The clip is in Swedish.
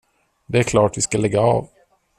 Det är klart vi ska lägga av.